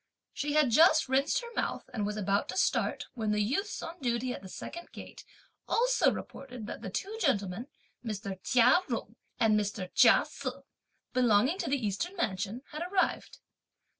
She had just rinsed her mouth and was about to start when the youths, on duty at the second gate, also reported that the two gentlemen, Mr. Chia Jung and Mr. Chia Se, belonging to the Eastern mansion, had arrived.